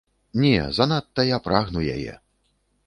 Не, занадта я прагну яе.